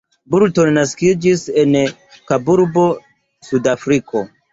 Burton naskiĝis en Kaburbo, Sudafriko.